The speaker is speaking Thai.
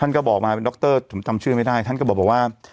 ก็บอกมาเป็นดรผมจำชื่อไม่ได้ท่านก็บอกว่า